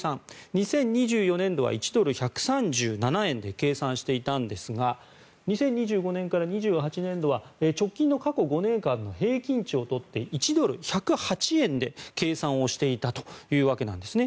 ２０２４年度は１ドル＝１３７円で計算していたんですが２０２５年から２８年度は直近の過去５年間の平均値を取って１ドル＝１０８円で計算をしていたというわけなんですね。